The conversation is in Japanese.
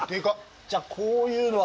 じゃあ、こういうのは。